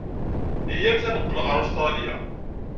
Iyyamt ad neqqel ɣer Ustṛalya.